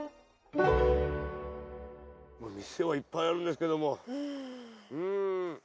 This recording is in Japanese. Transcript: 店はいっぱいあるんですけどもうん。